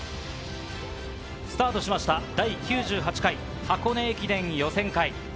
スタートしました、第９８回箱根駅伝予選会。